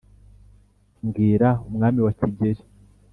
mbwira umwami wa kigeli,